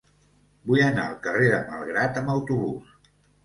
Vull anar al carrer de Malgrat amb autobús.